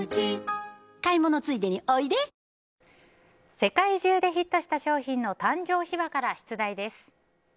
世界中でヒットした商品の誕生秘話から出題です。